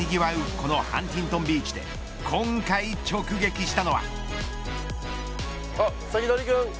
このハンティントンビーチで今回直撃したのは。